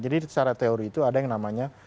jadi secara teori itu ada yang namanya